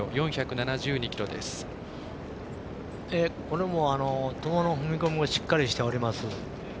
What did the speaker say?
これもトモの踏み込みもしっかりしております。